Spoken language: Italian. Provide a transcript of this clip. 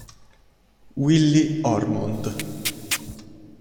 Willie Ormond